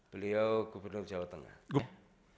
beliau gubernur jawa tengah